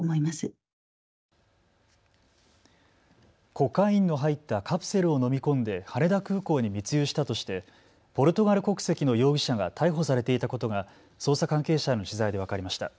コカインの入ったカプセルを飲み込んで羽田空港に密輸したとしてポルトガル国籍の容疑者が逮捕されていたことが捜査関係者への取材で分かりました。